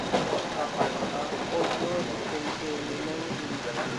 O jooɗi, semteende naŋgi mo.